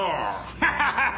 ハハハハ！